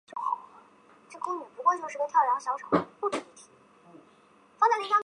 不料奥洛夫将军和卡马汉王子却偷梁换柱利用核弹炸毁美国空军基地挑起战争。